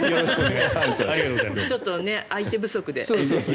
ちょっと相手不足で。